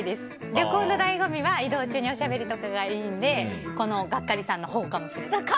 旅行の醍醐味は、移動中におしゃべりとかがいいのでこのガッカリさんのほうかもしれない。